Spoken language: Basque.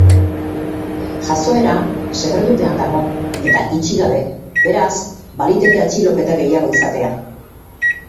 Jazoera sekretupean dago eta itxi gabe, beraz, baliteke atxiloketa gehiago izatea.